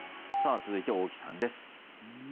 続いて大木さんです。